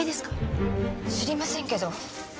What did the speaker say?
知りませんけど。